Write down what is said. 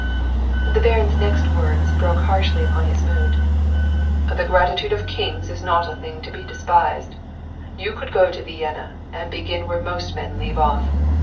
The Baron's next words broke harshly upon his mood. "The gratitude of kings is not a thing to be despised. You could go to Vienna and begin where most men leave off!